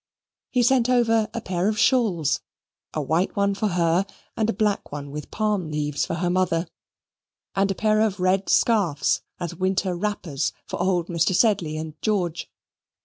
He sent over a pair of shawls, a white one for her and a black one with palm leaves for her mother, and a pair of red scarfs, as winter wrappers, for old Mr. Sedley and George.